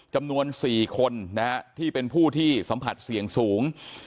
จำนวน๔คนที่เป็นผู้ที่สัมผัสเสี่ยงสูง